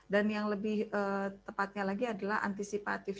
dan yang lebih tepatnya lagi adalah antisipatif